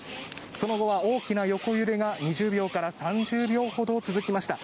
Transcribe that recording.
その後は大きな横揺れが２０秒から３０秒ほど続きました。